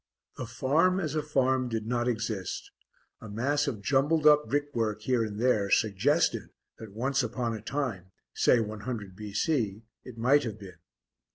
The farm, as a farm, did not exist; a mass of jumbled up brickwork here and there suggested that once upon a time, say 100 B.C., it might have been.